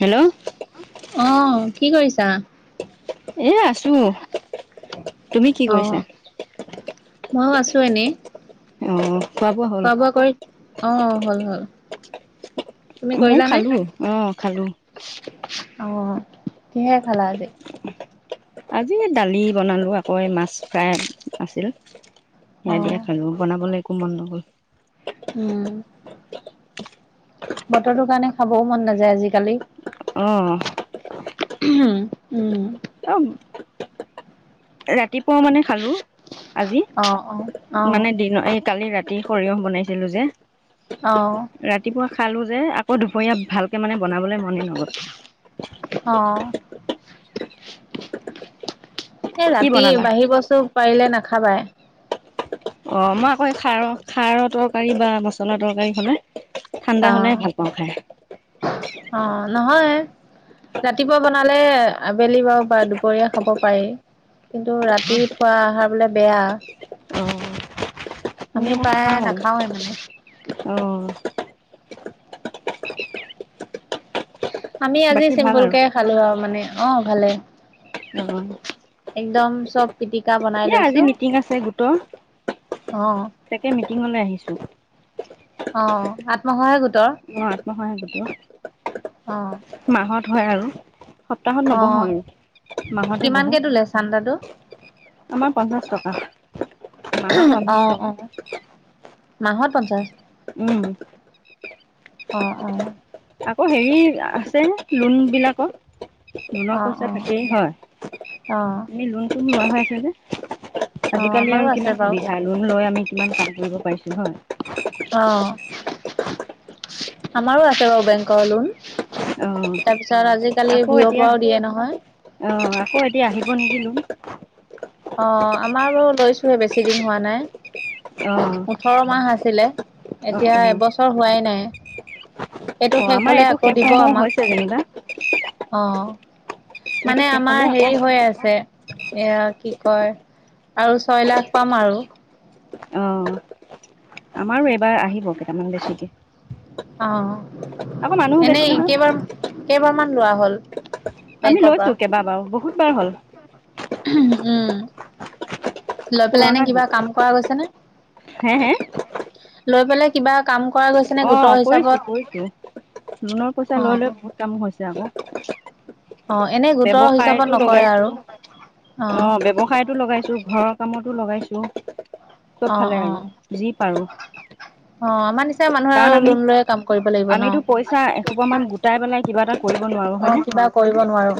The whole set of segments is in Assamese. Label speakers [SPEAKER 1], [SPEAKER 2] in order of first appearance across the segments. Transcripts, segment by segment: [SPEAKER 1] হেল্ল',
[SPEAKER 2] অ', কি কৰিছা?
[SPEAKER 1] এ আছোঁ।
[SPEAKER 2] অ, ময়ো আছোঁ এনেই।
[SPEAKER 1] অ'।
[SPEAKER 2] খোৱা বোৱা কৰি আহ হল, হল। তুমি
[SPEAKER 1] ময়
[SPEAKER 2] কৰিলানে?
[SPEAKER 1] খালোঁ অ, খালোঁ।
[SPEAKER 2] অ, কিহে খালা আজি?
[SPEAKER 1] আজি দালি বনালো আকৌ মাছ ফ্ৰাই আছিল সেয়া দিয়
[SPEAKER 2] অ'।
[SPEAKER 1] খালোঁ বনাবলৈ একো মন নগ'ল।
[SPEAKER 2] উম, বতৰটোৰ কাৰণে খাবও মন নাযায় আজিকালি।
[SPEAKER 1] অ,
[SPEAKER 2] উম, উম।
[SPEAKER 1] অ', ৰাতিপুৱা মানে খালো। আজি
[SPEAKER 2] অ', অ', অ',
[SPEAKER 1] মানে দিন এই কালি ৰাতি সৰিয়হ বনাইছিলো যে,
[SPEAKER 2] অ'।
[SPEAKER 1] ৰাতিপুৱা খালো যে আকৌ দুপৰীয়া ভালকে মানে বনাবলৈ মন নগল।
[SPEAKER 2] অ', এ,
[SPEAKER 1] কি
[SPEAKER 2] ৰাতি
[SPEAKER 1] বনালা
[SPEAKER 2] বাঢ়ি বস্তু পাৰিলে নাখাবায়।
[SPEAKER 1] অ', মই আকৌ খাৰৰ খাৰৰ তৰকাৰী বা মছলা তৰকাৰী হলে। ঠাণ্ডা হ'লে
[SPEAKER 2] অ',
[SPEAKER 1] ভাল পাওঁ খাই।
[SPEAKER 2] অ' নহয়। ৰাতিপুৱা বনালে আবেলি বাৰু বা দুপৰীয়া খাব পাৰি। কিন্তু ৰাতি খোৱা আহাৰ বোলে বেয়া।
[SPEAKER 1] অ
[SPEAKER 2] আমি
[SPEAKER 1] আকৌ
[SPEAKER 2] পায়ে
[SPEAKER 1] খাওঁ
[SPEAKER 2] নাখাওৱে মানে।
[SPEAKER 1] অ'।
[SPEAKER 2] আমি আজি
[SPEAKER 1] বাকী ভাল আৰু
[SPEAKER 2] চিম্পুলকে খালো আৰু মানে অ' ভালে
[SPEAKER 1] অ'
[SPEAKER 2] একদম চব পিটিকা বন
[SPEAKER 1] এ আজি মিটিং আছে গোটৰ
[SPEAKER 2] অ
[SPEAKER 1] তাকে মিটিঙলৈ আহিছোঁ।
[SPEAKER 2] অ', আত্মসহে গোট?
[SPEAKER 1] [inaudible]
[SPEAKER 2] অ
[SPEAKER 1] মাহত হয় আৰু। সপ্তাহত
[SPEAKER 2] অ
[SPEAKER 1] নবহো আৰু মাহতে বহো।
[SPEAKER 2] কিমানকে তোলে চান্দাটো
[SPEAKER 1] আমাৰ পঞ্চাশ টকা মাহত
[SPEAKER 2] অ
[SPEAKER 1] পঞ্চাশ টকা।
[SPEAKER 2] অ মাহত পঞ্চাছ?
[SPEAKER 1] উম,
[SPEAKER 2] অ, অ,
[SPEAKER 1] আকৌ হেৰি আছে লোন বিলাকৰ লোনৰ
[SPEAKER 2] অ
[SPEAKER 1] পইচা
[SPEAKER 2] অ
[SPEAKER 1] থাকেই হয়
[SPEAKER 2] অ
[SPEAKER 1] আুমি লোনটো লগন্ভাইছেনে।
[SPEAKER 2] অ
[SPEAKER 1] আজিকালি
[SPEAKER 2] আমাৰো
[SPEAKER 1] আৰু
[SPEAKER 2] আছে
[SPEAKER 1] কিমান
[SPEAKER 2] বাৰু
[SPEAKER 1] সুবিধা লোন লৈ আমি কিমান কাম কৰিব পাৰিছোঁ হয়।
[SPEAKER 2] অ', আমাৰো আছে বাৰু বেংকৰ লোন।
[SPEAKER 1] অ
[SPEAKER 2] তাৰপিছত আজিকালি
[SPEAKER 1] আকৌ
[SPEAKER 2] ভিয় ৰ
[SPEAKER 1] এতিয়া
[SPEAKER 2] পৰাও দিয়ে নহয়।
[SPEAKER 1] অ', আকৌ এতিয়া আহিব নিদিলো
[SPEAKER 2] অ', আমাৰ বাৰু লৈছোহে বেছি দিন হোৱা নাই।
[SPEAKER 1] অ
[SPEAKER 2] ওঠৰ মাহ আছিলে
[SPEAKER 1] অ
[SPEAKER 2] এতিয়া
[SPEAKER 1] অ
[SPEAKER 2] এবছৰ হোৱাই নাই। এইটো
[SPEAKER 1] অ
[SPEAKER 2] শেষ
[SPEAKER 1] আমাৰ
[SPEAKER 2] হ'লে
[SPEAKER 1] এইটো
[SPEAKER 2] আকৌ
[SPEAKER 1] শেষ হওঁ
[SPEAKER 2] দিব
[SPEAKER 1] হওঁ হৈছে
[SPEAKER 2] আমাক
[SPEAKER 1] যেনিবা
[SPEAKER 2] অ'।
[SPEAKER 1] এইটো
[SPEAKER 2] মানে
[SPEAKER 1] শেষ হলে
[SPEAKER 2] আমাৰ
[SPEAKER 1] আকৌ
[SPEAKER 2] হেৰি হৈ আছে। এয়া কি কয় আৰু ছয় লাখ পাম আৰু।
[SPEAKER 1] অ', আমাৰো এইবাৰ আহিব কেইটামান বেছিকে। আকৌ মানুহো
[SPEAKER 2] অ',
[SPEAKER 1] বেছি
[SPEAKER 2] এনেই
[SPEAKER 1] নহয়
[SPEAKER 2] কেইবাৰ কেইবাৰ মান লোৱা হ'ল?
[SPEAKER 1] আমি
[SPEAKER 2] বেংকৰ পৰা
[SPEAKER 1] লৈছো কেইবা বাৰু বহুত বাৰ হ'ল।
[SPEAKER 2] উম। লৈ পেলাই এনে
[SPEAKER 1] পুৰণা
[SPEAKER 2] কিবা
[SPEAKER 1] গোট
[SPEAKER 2] কাম কৰা গৈছে নে?
[SPEAKER 1] হে হে
[SPEAKER 2] লৈ পেলাই কিবা কাম কৰা গৈছে নে
[SPEAKER 1] অ',
[SPEAKER 2] গোটৰ
[SPEAKER 1] কৰিছো
[SPEAKER 2] হিচাপত
[SPEAKER 1] কৰিছো লোনৰ পইচা
[SPEAKER 2] অ
[SPEAKER 1] লৈ লৈ কাম হৈছে আকৌ।
[SPEAKER 2] অ এনেই গোটৰ হিচাপত
[SPEAKER 1] ব্যৱসায়তো
[SPEAKER 2] নকৰে আৰু
[SPEAKER 1] লগাইছো অ' ব্যৱসায়ত তো লগাইছো, ঘৰৰ কামতো লগাইছো চব
[SPEAKER 2] অ
[SPEAKER 1] ফালে
[SPEAKER 2] অ
[SPEAKER 1] আৰু যি পাৰো।
[SPEAKER 2] অ', আমাৰ নিচনা মানুহে আৰু লোন লৈয়ে কাম কৰিব লাগিব ন?
[SPEAKER 1] চা এসোপা মান গোটাই পেলাই কিবা এটা কৰিব নোৱাৰো হয়
[SPEAKER 2] অ
[SPEAKER 1] নে,
[SPEAKER 2] কিবা কৰিব নোৱাৰো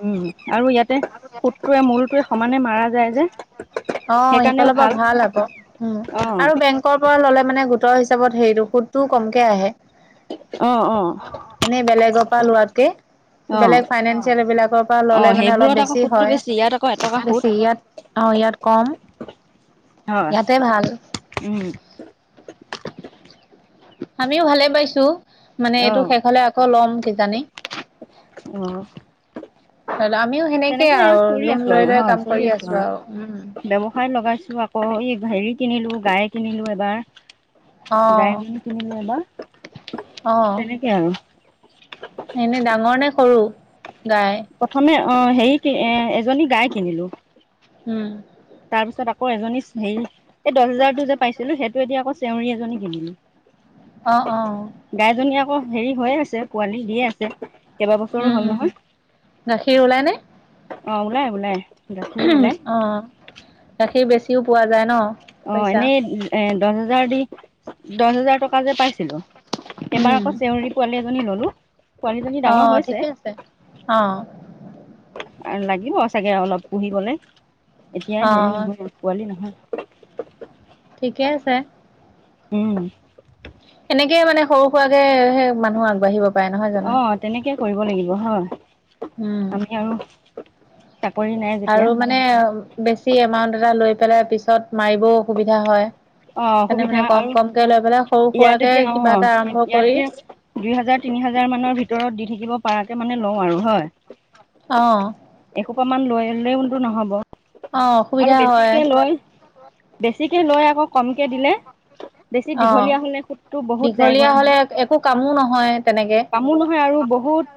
[SPEAKER 1] উম। আৰু ইয়াতে
[SPEAKER 2] [inaudible]
[SPEAKER 1] সূতটোৱে মূলটোৱে সমানে মাৰা যায় যে।
[SPEAKER 2] অ', সিফালৰ পৰা ভাল আকৌ
[SPEAKER 1] অঁ
[SPEAKER 2] আৰু বেং পৰা ল'লে মানে গোটৰ হিচাপত হেৰি সুতটোও কমকে আহে।
[SPEAKER 1] অ', অ'।
[SPEAKER 2] এনেই বেলেগৰ পৰা লোৱাতকে।
[SPEAKER 1] অঁ
[SPEAKER 2] বেলেগ ফাইনেন্ঞ্চিয়েল এইবলাকৰ পৰা
[SPEAKER 1] অ
[SPEAKER 2] ল'লে মানে অলপ
[SPEAKER 1] সেইবোৰত আকৌ
[SPEAKER 2] বেছি
[SPEAKER 1] সুতটো
[SPEAKER 2] হয়।
[SPEAKER 1] ইয়াত আকৌ এটকা সুত
[SPEAKER 2] আছে ইয়াত অ' ইয়াত কম
[SPEAKER 1] হয়
[SPEAKER 2] ইয়াতে ভাল।
[SPEAKER 1] উম
[SPEAKER 2] আমিও ভালে পাইছো মানে
[SPEAKER 1] অ
[SPEAKER 2] এইটো শেষ হ'লে আকৌ লম কিজানি।
[SPEAKER 1] উম।
[SPEAKER 2] আমিও সেনেকে
[SPEAKER 1] তেনেকে
[SPEAKER 2] আৰু
[SPEAKER 1] কৰি
[SPEAKER 2] লোন
[SPEAKER 1] আছো
[SPEAKER 2] লৈ
[SPEAKER 1] আৰু
[SPEAKER 2] লৈ কাম
[SPEAKER 1] হয়
[SPEAKER 2] কৰি
[SPEAKER 1] চলি আছো
[SPEAKER 2] উম
[SPEAKER 1] আৰু ব্যৱ খাই লগাইছো আকৌ এই হেৰি কিনিলো গাই কিনিলো এবাৰ। গাই
[SPEAKER 2] অ
[SPEAKER 1] কিনিলে এবাৰ তেনেকে আৰু।
[SPEAKER 2] এনেই ডাঙৰ নে সৰু গাই?
[SPEAKER 1] প্ৰথমে অ' হেৰি এ এজনী গাই কিনিলো।
[SPEAKER 2] উম।
[SPEAKER 1] তাৰপিছত আকৌ এজনী হেৰি এই দহ হাজাৰটো যে পাইছিলো সেইটো এতি আকৌ চেউৰৰি এজনী কিনিলো।
[SPEAKER 2] অ', অ'।
[SPEAKER 1] গাইজনী আকৌ হেৰি হৈয়ে আছে পোৱালি দিয়ে আছে। কেইবা বছৰো
[SPEAKER 2] উম
[SPEAKER 1] হ'ল
[SPEAKER 2] উম
[SPEAKER 1] নহয়
[SPEAKER 2] গাখীৰ ওলাই নে
[SPEAKER 1] অ' ওলাই ওলাই। গাখীৰো ওলাই
[SPEAKER 2] অ', গাখীৰ বেছিও পোৱা যায় ন।
[SPEAKER 1] অ',
[SPEAKER 2] পইচা
[SPEAKER 1] এনেই এ দহ হাজাৰ দি দহ হাজাৰ টকা যে পাইছিলো। সেইবাৰ
[SPEAKER 2] উম
[SPEAKER 1] আকৌ চেউৰী পোৱালি এজনী ল'লো। পোৱালীজনী
[SPEAKER 2] অ
[SPEAKER 1] ডাঙৰ হৈছে।
[SPEAKER 2] ঠিকে আছে অ
[SPEAKER 1] আৰু লাগিব চাগে অলপ পুহিবলে এতিয়া
[SPEAKER 2] অ
[SPEAKER 1] হেৰি নহয় পোৱালি নহয়।
[SPEAKER 2] ঠিকে আছে।
[SPEAKER 1] উম।
[SPEAKER 2] সেনেকে মানে সৰু সুৰাকেে মানুহ আগবাঢ়িব পাৰে নহয় জানো?
[SPEAKER 1] তেনেকৈ কৰিব লাগিব হয়।
[SPEAKER 2] উম।
[SPEAKER 1] আমি আৰু চাকৰি নাই
[SPEAKER 2] আৰু
[SPEAKER 1] যেতিয়া।
[SPEAKER 2] মানে বেছি এমাউন্ট এটা লৈ পেলাই পিছত মাৰিবও অসুবিধা হয়।
[SPEAKER 1] অঁ
[SPEAKER 2] সেইকাৰণে
[SPEAKER 1] অসুবিধা
[SPEAKER 2] মানে কম
[SPEAKER 1] আৰু
[SPEAKER 2] কমকে লৈ পেলাই সৰু
[SPEAKER 1] ইয়াত
[SPEAKER 2] সুৰাকে
[SPEAKER 1] এতিয়া
[SPEAKER 2] কিবা এটা
[SPEAKER 1] অঁ
[SPEAKER 2] আৰম্ভ
[SPEAKER 1] ইয়াত
[SPEAKER 2] কৰি
[SPEAKER 1] এতিয়া দুই হাজাৰ তিনি হাজাৰ মানৰ ভিতৰত দি থাকিব পৰাাৰকে মানে লওঁ আৰু হয়।
[SPEAKER 2] অঁ'।
[SPEAKER 1] এসোপ মান লৈ ললেও তো নহ'ব।
[SPEAKER 2] অ
[SPEAKER 1] আৰু
[SPEAKER 2] অসুবিধা হয়
[SPEAKER 1] বেছিকে লৈ বেছিকে লৈ আকৌ কমকে দিলে বেছি
[SPEAKER 2] অ
[SPEAKER 1] দীঘলীয়া হলে সুতটো বহুত
[SPEAKER 2] দীঘলীয়া
[SPEAKER 1] যায়গৈ
[SPEAKER 2] হলে
[SPEAKER 1] নহয়
[SPEAKER 2] একো কামো নহয় তেনেকে
[SPEAKER 1] কামো নহয় আৰু বহুত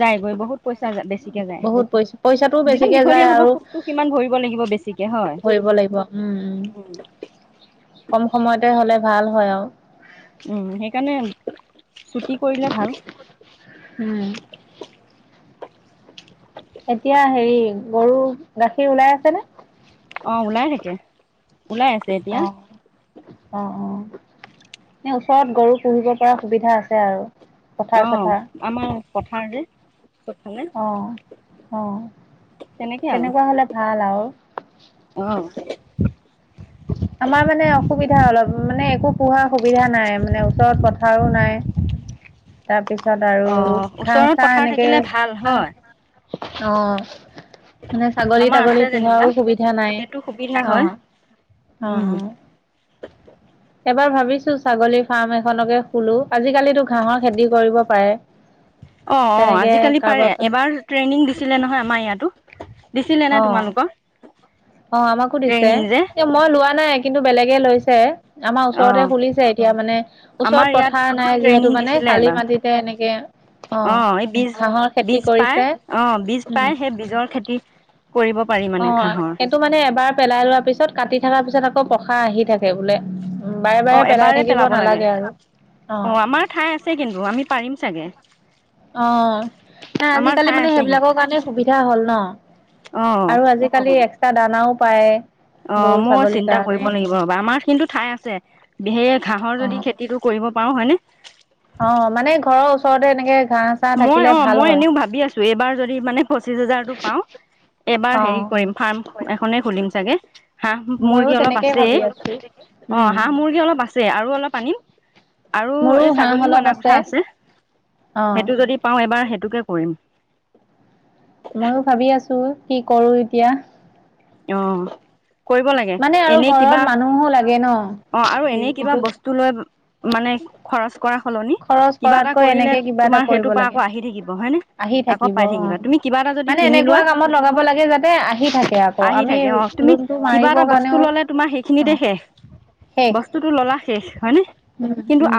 [SPEAKER 1] যায়গৈ বহুত পইচা বেছিকে যায়
[SPEAKER 2] বহুত পইচা পইচাটোও
[SPEAKER 1] যিমান
[SPEAKER 2] বেছিকে
[SPEAKER 1] দীঘলীয়া হ'ব সুতটো সিমান ভৰিব লাগিব বেছি।
[SPEAKER 2] ধৰিব লাগিব উম, উম, কম সময়তে হলে ভাল হয় আৰু।
[SPEAKER 1] উম, সেইকাৰণে ছুটি কৰিলে ভাল।
[SPEAKER 2] উম।
[SPEAKER 1] [inaudible]
[SPEAKER 2] এতিয়া হেৰি গৰু গাখীৰ ওলাই আছে নে?
[SPEAKER 1] অ', ওলাই থাকে ওলাই আছে। এতিয়া
[SPEAKER 2] অ'। অ', অ', এ ওচৰত গৰু পুহিব পৰা সুবিধা আছে আৰু।
[SPEAKER 1] অ
[SPEAKER 2] পথাৰ চথাৰ
[SPEAKER 1] আমাৰ পথাৰ যে চবফালে
[SPEAKER 2] আহ আহ।
[SPEAKER 1] তেনেকে আৰু
[SPEAKER 2] তেনেকুৱা হ'লে ভাল আৰু।
[SPEAKER 1] অ'।
[SPEAKER 2] আমাৰ মানে অসুবিধা অলপ মানে একো পোহাৰ সুবিধা নাই মানে ওচৰত পথাৰো নাই। তাৰপিছত আৰু
[SPEAKER 1] অ
[SPEAKER 2] ঘাঁহ
[SPEAKER 1] ওচৰত
[SPEAKER 2] চাহ
[SPEAKER 1] পথাৰ
[SPEAKER 2] এনেকে
[SPEAKER 1] থাকিলে ভাল হয়।
[SPEAKER 2] অ'। মানে ছাগলী
[SPEAKER 1] আমাৰ
[SPEAKER 2] তাগলী
[SPEAKER 1] আছে যেনিবা
[SPEAKER 2] পোহাও সুবিধা নাই
[SPEAKER 1] সেইটো সুবিধা হয়
[SPEAKER 2] অ', অ',
[SPEAKER 1] উম
[SPEAKER 2] অ'। এবাৰ ভাবিছো ছাগলীৰ ফাৰ্ম এখনকে খুলো আজিকালিতো ঘাঁহৰ খেতি কৰিব পাৰে। [inaudible]
[SPEAKER 1] অ', অ',
[SPEAKER 2] তেনেকে
[SPEAKER 1] আজিকালি পাৰে
[SPEAKER 2] কাৰোবাৰ পৰা
[SPEAKER 1] এবাৰ ট্ৰেইনিং দিছিলে নহয় আমাৰ ইয়াতো। দিছিলে নে
[SPEAKER 2] অ',
[SPEAKER 1] তোমালোকক
[SPEAKER 2] অ', আমাকো দিছে
[SPEAKER 1] ট্ৰেইনিং যে
[SPEAKER 2] এ মই লোৱা নাই কিন্তু বেলেগে লৈছে। আমাৰ
[SPEAKER 1] অ
[SPEAKER 2] ওচৰতে খুলিছে এতিয়া মানে ওচৰত
[SPEAKER 1] আমাৰ ইয়াত
[SPEAKER 2] পথাৰ নাই যিহেতু
[SPEAKER 1] ট্ৰেইনিং
[SPEAKER 2] মানে
[SPEAKER 1] দিছিলে
[SPEAKER 2] শালি
[SPEAKER 1] এবাৰ
[SPEAKER 2] মাটিতে এনেকে
[SPEAKER 1] অ', এই বীজ
[SPEAKER 2] ঘাঁহৰ খেতি
[SPEAKER 1] বীজ পাই
[SPEAKER 2] কৰিছে
[SPEAKER 1] অ', বীজ
[SPEAKER 2] উম,
[SPEAKER 1] পাই সেই বীজৰ খেতি কৰিব পাৰি। মানে
[SPEAKER 2] অ',
[SPEAKER 1] ঘাঁহৰ
[SPEAKER 2] সেইটো মানে এবাৰ পেলাই লোৱাৰ পিছত কাটি থকাৰ পিছত আকৌ পসা আহি থাকে বোলে। বাৰে
[SPEAKER 1] অ',
[SPEAKER 2] বাৰে পেলাই
[SPEAKER 1] এবাৰে
[SPEAKER 2] থাকিব
[SPEAKER 1] পেলাব লাগে
[SPEAKER 2] নালাগে আৰু অ'।
[SPEAKER 1] আমাৰ খাই আছে কিন্তু আমি পাৰিম চাগে।
[SPEAKER 2] অ', নাই
[SPEAKER 1] আমাৰ
[SPEAKER 2] আজিকালি
[SPEAKER 1] ঠাই
[SPEAKER 2] মানে
[SPEAKER 1] আছে কিন্তু
[SPEAKER 2] সেইবিলাকৰ কাৰণে সুবিধা হ'ল
[SPEAKER 1] অ',
[SPEAKER 2] ন' আৰু আজি খালি এক্সট্ৰা দানাও পায়।
[SPEAKER 1] অ',
[SPEAKER 2] গৰু
[SPEAKER 1] মই
[SPEAKER 2] ছাগলীৰ
[SPEAKER 1] চিন্তা
[SPEAKER 2] কাৰণে
[SPEAKER 1] কৰিব লাগিব ৰ'বা আমাৰ কিন্তু ঠাই আছে ধেৰ ঘাঁহৰ যদি
[SPEAKER 2] অ'।
[SPEAKER 1] খেতি টো কৰিব পাৰো হয়নে।
[SPEAKER 2] অ', মানে ঘৰৰ ওচৰতে এনেকে ঘাহ
[SPEAKER 1] মই অ', মই এনেও ভাবি আছো এইবাৰ যদি মানে পঁচিশ হাজাৰতটো পাও এইবাৰ হেৰি
[SPEAKER 2] অ',
[SPEAKER 1] কৰিম। ফাৰ্ম এখনে খুলিম চাগে হাঁহ
[SPEAKER 2] ময়ো
[SPEAKER 1] মুৰ্গী অলপ
[SPEAKER 2] তেনেকেই ভাবি
[SPEAKER 1] আছেই।
[SPEAKER 2] আছো। উম,
[SPEAKER 1] অ', হাঁহ মুৰ্গী অলপ আছে আৰু অলপ আনিম আৰু
[SPEAKER 2] মোৰো
[SPEAKER 1] এই
[SPEAKER 2] হাঁহ
[SPEAKER 1] ছাগলীও
[SPEAKER 2] অলপ
[SPEAKER 1] অনাৰ কথা আছে।
[SPEAKER 2] অ'।
[SPEAKER 1] সেইটো যদি পাও এবাৰ সেইটোকে কৰিম।
[SPEAKER 2] ময়ও ভাবি আছো কি কৰো এতিয়া।
[SPEAKER 1] অ', কৰিব লাগে
[SPEAKER 2] মানে আৰু
[SPEAKER 1] এনে কিবা
[SPEAKER 2] ঘৰত মানুহো লাগে ন।
[SPEAKER 1] অ', আৰু এনে কিবা
[SPEAKER 2] ইটো
[SPEAKER 1] বস্তু তোলৈ মানে খৰচ কৰা সলনি
[SPEAKER 2] খৰচ
[SPEAKER 1] কিবা এটা
[SPEAKER 2] কৰাতকৈ
[SPEAKER 1] কৰিলে
[SPEAKER 2] এনেকে কিবা এটা
[SPEAKER 1] তোমাৰ
[SPEAKER 2] কৰিব
[SPEAKER 1] সেইটোৰ পৰা
[SPEAKER 2] লাগে।
[SPEAKER 1] আকৌ আহি থাকিব হয় নে।
[SPEAKER 2] আহি থাকিব অ' মানে এনেকুৱা
[SPEAKER 1] লোৱা
[SPEAKER 2] কামত লগাব লাগে যাতে আহি থাকে আৰু অ
[SPEAKER 1] আহি
[SPEAKER 2] 'আমি
[SPEAKER 1] থাকে অ' তুমি
[SPEAKER 2] লোনটো
[SPEAKER 1] কিবা এটা
[SPEAKER 2] মাৰিবৰ
[SPEAKER 1] বস্তু
[SPEAKER 2] কাৰণেও
[SPEAKER 1] ল'লে তোমাৰ সেইখিনিতে
[SPEAKER 2] অ'
[SPEAKER 1] শেষ
[SPEAKER 2] শেষ
[SPEAKER 1] বস্তুটো ল'লা শেষ হয়নেে।
[SPEAKER 2] উম, উম,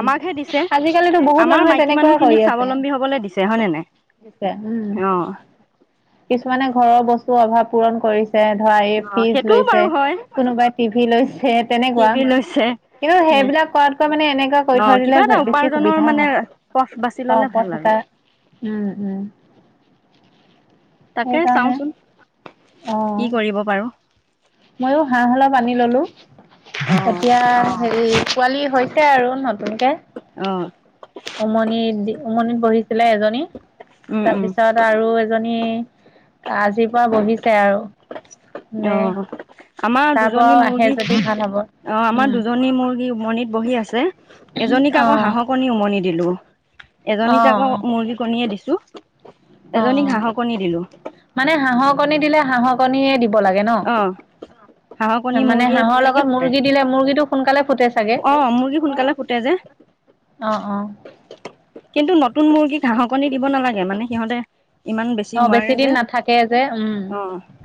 [SPEAKER 2] আজিকালিতো বহুত
[SPEAKER 1] আমাৰ
[SPEAKER 2] মানুহে
[SPEAKER 1] মাইকী
[SPEAKER 2] তেনেকুৱাই কৰি
[SPEAKER 1] মানুহখিনিক
[SPEAKER 2] আছে।
[SPEAKER 1] স্বাৱলম্বী হ'বলৈ দিছে হয়নে নাই
[SPEAKER 2] উম
[SPEAKER 1] অ'
[SPEAKER 2] কিছুমানে ঘৰৰ বস্তুৰ অভাৱ পূৰণ কৰিছে। ধৰা এই
[SPEAKER 1] অ'
[SPEAKER 2] ফিজ
[SPEAKER 1] সেইটোও
[SPEAKER 2] লৈছে।
[SPEAKER 1] বাৰু হয়
[SPEAKER 2] কোনোবাই টিভি লৈছে তেনেকুৱা।
[SPEAKER 1] ছে
[SPEAKER 2] কিন্তু সেইবিলাক কৰাত মানে এনেকুৱা কৰি থৈ দিলে
[SPEAKER 1] কিবা এটা
[SPEAKER 2] বেছি
[SPEAKER 1] উপাৰ্জনৰ
[SPEAKER 2] সুবিধা
[SPEAKER 1] মানে
[SPEAKER 2] হয়
[SPEAKER 1] পথ বাছি
[SPEAKER 2] অ
[SPEAKER 1] ললে ভাল
[SPEAKER 2] পথ
[SPEAKER 1] আৰু
[SPEAKER 2] এতাৰ উম, উম।
[SPEAKER 1] তাকে
[SPEAKER 2] সেইকাৰণে অ'
[SPEAKER 1] দিব পাৰো।
[SPEAKER 2] মইও হাঁহ হলপ আনি ললো
[SPEAKER 1] অ
[SPEAKER 2] এতিয়া হেৰি পোৱালি হৈছে। আৰু নতুনকে
[SPEAKER 1] অ'
[SPEAKER 2] উমনিত উমনিত বহিছিলে এজনী
[SPEAKER 1] উম উম
[SPEAKER 2] তাৰপিছত আৰু জনী আজিৰ পৰা বহিছে আৰু নে
[SPEAKER 1] অ' আমাৰ
[SPEAKER 2] তাৰ
[SPEAKER 1] দুজনী
[SPEAKER 2] পৰাও আহে
[SPEAKER 1] মুৰ্গী
[SPEAKER 2] যদি ভাল হ'ব
[SPEAKER 1] অ আমাৰ
[SPEAKER 2] উম
[SPEAKER 1] দুজনী মুৰ্গী উমনিত বহি আছে। এজনীক
[SPEAKER 2] অ
[SPEAKER 1] আকৌ হাঁহৰ কণী উমনি দিলো।
[SPEAKER 2] অ
[SPEAKER 1] এজনীক আকৌ মুৰ্গী কণীয়ে দিছো।
[SPEAKER 2] অ
[SPEAKER 1] এজনীক হাঁহৰ কণী দিলো।
[SPEAKER 2] মানে হাঁহৰ কণী দিলে হাঁহৰ কণীয়ে দিব লাগে
[SPEAKER 1] অ হাঁহৰ কণী
[SPEAKER 2] ন। মানে
[SPEAKER 1] মুৰ্গীয়ে
[SPEAKER 2] হাঁহৰ
[SPEAKER 1] ধুনীয়াকে
[SPEAKER 2] লগত
[SPEAKER 1] ফুটাই
[SPEAKER 2] মুৰ্গী দিলে মুৰ্গীটো সোনকালে ফুটে চাগে।
[SPEAKER 1] অ মুৰ্গী সোনকালে ফুটে যে
[SPEAKER 2] অ 'অ'
[SPEAKER 1] কিন্তু নতুন মুৰ্গীক হা'হৰ কণী দিব নালাগে। মানে সিহঁতে ইমান বেছি
[SPEAKER 2] অ
[SPEAKER 1] নোৱাৰে
[SPEAKER 2] দিন
[SPEAKER 1] যে
[SPEAKER 2] নাথাকে যে উম
[SPEAKER 1] অঁ।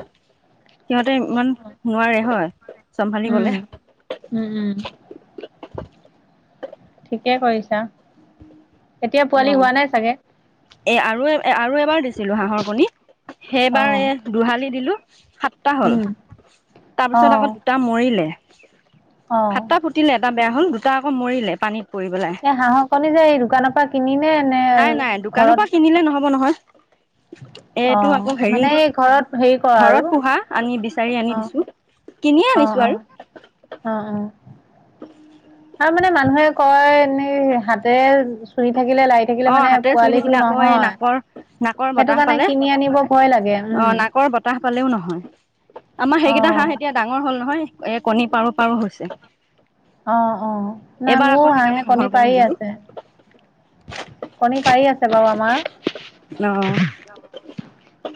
[SPEAKER 1] সিহঁতে ইমান নোৱাৰে হয়। চম্ভালিবলে
[SPEAKER 2] উম, উম, উম। ঠিকে কৰিছা। এতিয়া পোৱালি
[SPEAKER 1] অ'
[SPEAKER 2] হোৱা নাই চাগে
[SPEAKER 1] এ আৰু এ আৰু এবাৰ দিছিলো হাঁহৰ কণী সেইবাৰ
[SPEAKER 2] অ',
[SPEAKER 1] এ দোহালি দিলো সাতটা হল
[SPEAKER 2] উম,
[SPEAKER 1] তাৰপিছত আকৌ
[SPEAKER 2] অ',
[SPEAKER 1] দুটা মৰিলে।
[SPEAKER 2] অ',
[SPEAKER 1] সাতটা ফুতিলে এটা বেয়া হল দুটা আকৌ মৰিলে পানীত পৰি পেলাই।
[SPEAKER 2] হাঁহৰ কণী যে এই দোকানৰ পৰা কিনিহে আনে
[SPEAKER 1] নাই
[SPEAKER 2] আৰু
[SPEAKER 1] নাই দোকানৰ পৰা
[SPEAKER 2] ঘৰত
[SPEAKER 1] কিনিলে নহ'ব নহয় এইটো
[SPEAKER 2] অ',
[SPEAKER 1] আকৌ হেৰি
[SPEAKER 2] মানে এই ঘৰত হেৰি কৰা আৰু
[SPEAKER 1] ঘৰত পোহা আনি বিচাৰি আনি
[SPEAKER 2] অ',
[SPEAKER 1] দিছো কিনিয়ে
[SPEAKER 2] অ
[SPEAKER 1] আনিছো
[SPEAKER 2] অ
[SPEAKER 1] আৰু
[SPEAKER 2] অ অ আৰু মানে মানুহে কয় এনেই হাতে চুহি থাকিলে লাইট থাকিলে
[SPEAKER 1] অ
[SPEAKER 2] মানে
[SPEAKER 1] হাতেৰে চুই থাকিলে
[SPEAKER 2] পোৱালিটো
[SPEAKER 1] আকৌ এই
[SPEAKER 2] নহয়
[SPEAKER 1] নাকৰ নাকৰ
[SPEAKER 2] সেইটো
[SPEAKER 1] বতাহ
[SPEAKER 2] কাৰণে
[SPEAKER 1] পালে
[SPEAKER 2] কিনি আনিব ভয় লাগে উম
[SPEAKER 1] কতাহ পালেও নহয় আমাৰ সেইকেইটা
[SPEAKER 2] অ',
[SPEAKER 1] হাঁহ এতিয়া ডাঙৰ হল নহয় এ কণী পাৰো পাৰো হৈছে
[SPEAKER 2] অ অ নাই
[SPEAKER 1] এইবাৰ আকৌ
[SPEAKER 2] মোৰো হাঁহে
[SPEAKER 1] সেইকাৰণে গ্ৰহণ
[SPEAKER 2] কণী
[SPEAKER 1] কৰি
[SPEAKER 2] পাৰি
[SPEAKER 1] দিলো
[SPEAKER 2] আছে কণী পাৰি আছে বাৰু আমাৰ
[SPEAKER 1] অ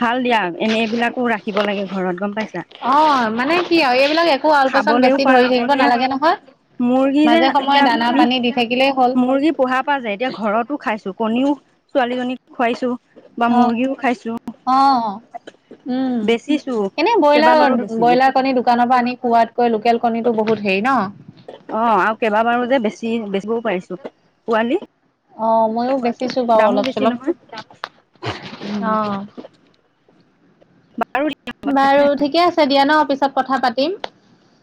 [SPEAKER 1] ভাল দিয়া এনে এইবিলাকো ৰাখিব লাগে ঘৰত গম পাইছা
[SPEAKER 2] অ', মানে কি আৰু এইবিলাক একো আল পৈচান
[SPEAKER 1] খাবলৈও
[SPEAKER 2] বেছি
[SPEAKER 1] পৰা
[SPEAKER 2] ধৰি
[SPEAKER 1] যায়
[SPEAKER 2] থাকিব
[SPEAKER 1] এতিয়া
[SPEAKER 2] নালাগে নহয়
[SPEAKER 1] মুৰ্গী যে
[SPEAKER 2] মাজে সময়ে
[SPEAKER 1] এতিয়া
[SPEAKER 2] দানা
[SPEAKER 1] আমি
[SPEAKER 2] পানী দি থাকিলেই হ'ল।
[SPEAKER 1] মুৰ্গী পোহা পা যে এতিয়া ঘৰতো খাইছো কণীও ছোৱালীজনীক খোৱাইছো বা
[SPEAKER 2] অ',
[SPEAKER 1] মুৰ্গীও খাইছো
[SPEAKER 2] অ উম
[SPEAKER 1] বেচিছো
[SPEAKER 2] এনেই
[SPEAKER 1] কেইবাবাৰো
[SPEAKER 2] ব্ৰইলাৰ
[SPEAKER 1] বেচিলো
[SPEAKER 2] ব্ৰইলাৰ কণী দোকানৰ পৰা আনি খোৱাতকৈ লোকেল কণীো বহুত হেৰি ন
[SPEAKER 1] অ আৰু কেইবাবাৰো যে বেছি বেচিবও পাৰিছো পোৱালি
[SPEAKER 2] অ ময়ো বেচিছো বাৰু
[SPEAKER 1] দামো
[SPEAKER 2] অলপ
[SPEAKER 1] বেছি নহয় উম
[SPEAKER 2] চলপ অ
[SPEAKER 1] বাৰু [unintelligible]
[SPEAKER 2] বাৰু ঠিকে আছে দিয়া ন, পিছত কথা পাতিম।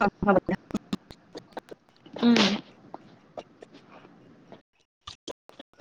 [SPEAKER 1] আগ [unintelligible]
[SPEAKER 2] উম।